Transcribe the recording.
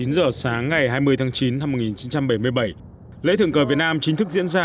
chín giờ sáng ngày hai mươi tháng chín năm một nghìn chín trăm bảy mươi bảy lễ thượng cờ việt nam chính thức diễn ra